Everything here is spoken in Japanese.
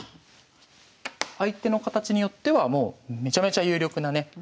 相手の形によってはもうめちゃめちゃ有力なね